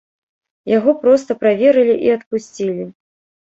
Яго проста праверылі і адпусцілі.